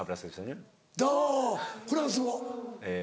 あぁフランス語。